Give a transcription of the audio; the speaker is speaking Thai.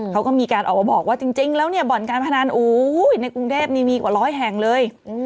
เขาก็มีการบอกว่าจริงแล้วเนี่ยบ่อนการพนันอู้วววในกรุงเทพนี่มีกว่า๑๐๐แห่งเลย